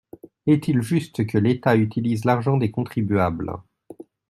Est-il juste que l’État utilise l'argent des contribuables